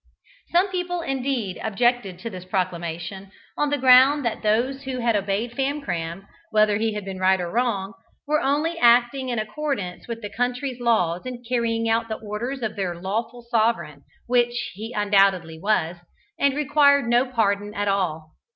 Some people indeed objected to this proclamation, on the ground that those who had obeyed Famcram, whether he had been right or wrong, were only acting in accordance with the country's laws in carrying out the orders of their lawful sovereign (which he undoubtedly was), and required no pardon at all.